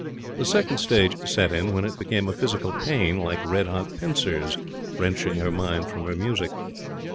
The second stage set in when it became a physical pain like red hot pincers wrenching her mind from her music.